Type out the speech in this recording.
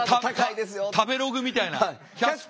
食べログみたいな。